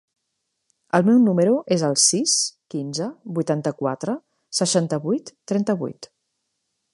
El meu número es el sis, quinze, vuitanta-quatre, seixanta-vuit, trenta-vuit.